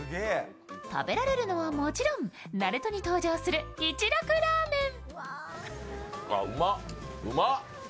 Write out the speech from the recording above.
食べられるのはもちろん「ＮＡＲＵＴＯ」に登場する一楽ラーメン。